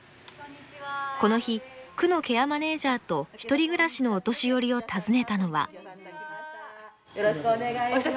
この日区のケアマネージャーと１人暮らしのお年寄りを訪ねたのは。